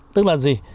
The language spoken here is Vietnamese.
tức là gì